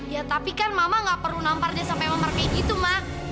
ya tapi kan mama gak perlu nampar dia sampai marah kayak gitu ma